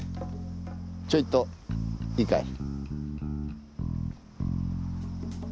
ちょいといいかい？